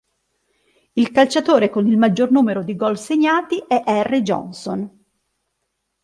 Il calciatore con il maggior numero di gol segnati è Harry Johnson.